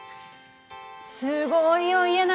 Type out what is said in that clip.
すごいよ家長君！